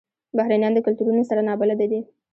بهرنیان د کلتورونو سره نابلده دي.